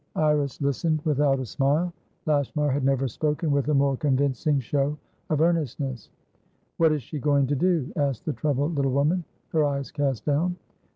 Iris listened without a smile. Lashmar had never spoken with a more convincing show of earnestness. "What is she going to do?" asked the troubled little woman, her eyes cast down.